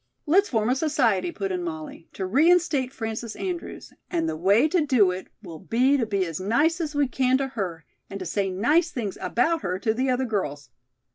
"Let's form a society," put in Molly, "to reinstate Frances Andrews, and the way to do it will be to be as nice as we can to her and to say nice things about her to the other girls."